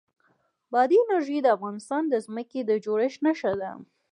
بادي انرژي د افغانستان د ځمکې د جوړښت نښه ده.